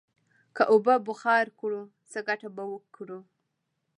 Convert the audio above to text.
که اوبه بخار کړو، څه گټه به وکړو؟